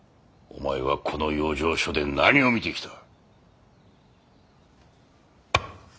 お前はこの養生所で何を見てきた。